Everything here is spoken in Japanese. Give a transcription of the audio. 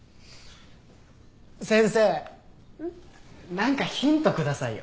何かヒント下さいよ。